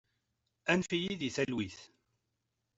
Annef-iyi deg talwit!